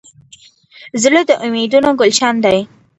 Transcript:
زړه د امیدونو ګلشن دی.